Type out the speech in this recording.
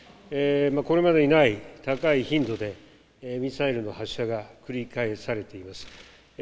これまでにない高い頻度でミサイルの発射が繰り返されています。